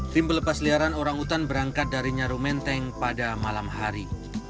tim pelepasliaran orang utan berangkat dari nyaru menteng pada malam hari